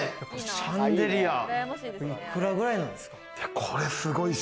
シャンデリア、幾らぐらいなんですか？